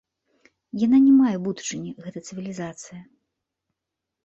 Яна не мае будучыні гэта цывілізацыя.